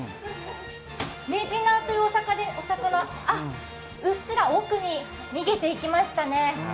メジナというお魚、うっすら奥に逃げていきましたね。